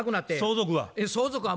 相続は？